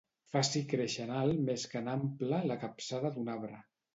Faci créixer en alt més que en ample la capçada d'un arbre.